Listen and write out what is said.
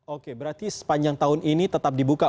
oke berarti sepanjang tahun ini tetap dibuka